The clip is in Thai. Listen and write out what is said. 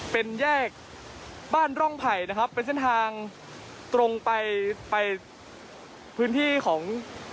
เป็นแยกบ้านร่องไผ่นะครับเป็นเส้นทางตรงไปไปพื้นที่ของ